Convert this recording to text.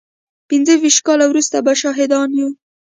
پينځه ويشت کاله وروسته به شاهدان يو.